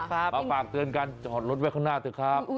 มาฝากเตือนกันจอดรถไว้ข้างหน้าเถอะครับ